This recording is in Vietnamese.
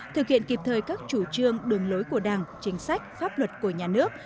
thực hiện kịp thời các chủ trương đường lối của đảng chính sách pháp luật của nhà nước